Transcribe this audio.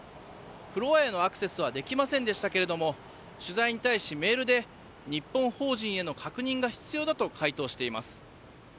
フロアへのアクセスはできませんでしたけれども取材に対しメールで日本法人への確認が必要だと回答しています。